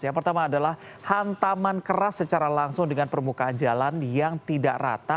yang pertama adalah hantaman keras secara langsung dengan permukaan jalan yang tidak rata